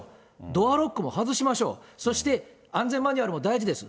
ドアロックも外しましょう、そして安全マニュアルも大事です。